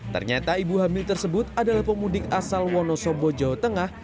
ternyata ibu hamil tersebut adalah pemudik asal wonosobo jawa tengah